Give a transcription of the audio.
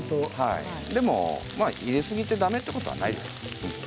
でも入れすぎてだめということはないです。